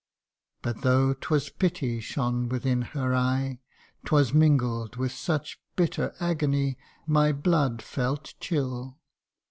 But though 'twas pity shone within her eye, 'Twas mingled with such bitter agony, My blood felt chill.